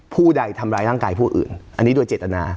ผู้ใดทำร้ายร่างกายผู้อื่นอันนี้โดยเจตนา